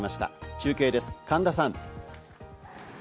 中継です、神田さん。